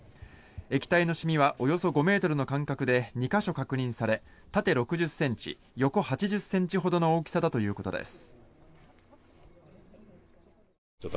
液体の染みはおよそ５ｍの間隔で２か所確認され縦６０ｃｍ、横８０ｃｍほどの大きさだということです。